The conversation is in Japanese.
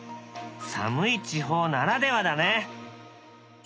寒い地方ならではだね。